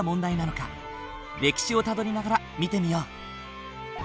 歴史をたどりながら見てみよう。